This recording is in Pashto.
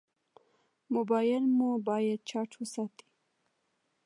موبایل مو باید چارج وساتو.